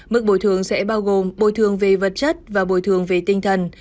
mức bồi thường sẽ bao gồm bồi thường về vật chất và bồi thường về tinh thần